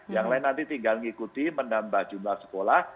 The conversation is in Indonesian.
yang lain nanti tinggal ngikuti menambah jumlah sekolah